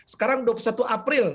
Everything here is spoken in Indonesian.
sekarang dua puluh satu april